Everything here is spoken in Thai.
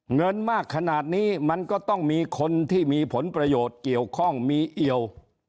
เงินมากขนาดนี้มันก็ต้องมีคนที่มีผลประโยชน์เกี่ยวข้องมีเอี่ยว